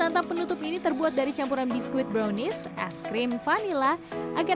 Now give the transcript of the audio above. di rangka ruangan ini court citizennelle men briberkan uang besar dari ruangan seramalang perhiasan se brat french mainan harga ini